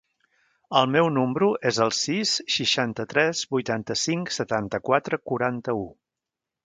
El meu número es el sis, seixanta-tres, vuitanta-cinc, setanta-quatre, quaranta-u.